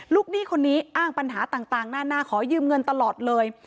หนี้คนนี้อ้างปัญหาต่างหน้าขอยืมเงินตลอดเลย